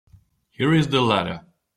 Here is the letter.